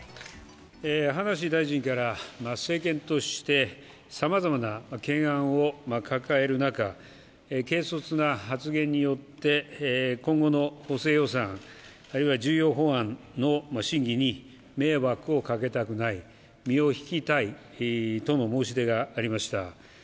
葉梨大臣から、政権としてさまざまな懸案を抱える中軽率な発言によって今後の補正予算あるいは重要法案の審議に迷惑をかけたくない身を引きたいとの申し出がありました。